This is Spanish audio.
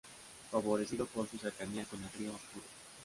Favorecido por su cercanía con el Río Apure.